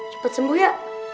cepet sembuh ya